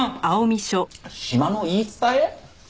島の言い伝え？